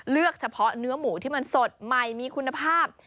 เลือกเฉพาะเนื้อหมูที่มันสดใหม่มีคุณภาพ